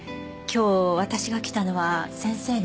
今日私が来たのは先生の。